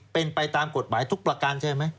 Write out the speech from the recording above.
เป็นไปตามกฎหมายทุกประการใช่ไหม